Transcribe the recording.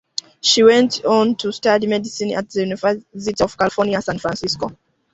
She went on to study medicine at the University of California, San Francisco.